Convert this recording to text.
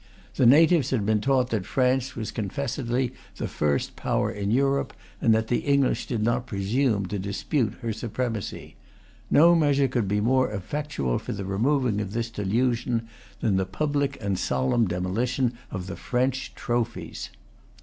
The natives had been taught that France was confessedly the first power in Europe, and that the English did not presume to dispute her supremacy. No measure could be more effectual for the removing of this delusion than the public and solemn demolition of the French trophies.